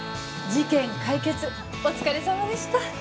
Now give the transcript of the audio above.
事件解決お疲れさまでした。